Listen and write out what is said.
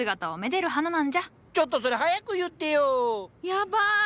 やばい！